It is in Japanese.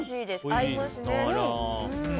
合いますね。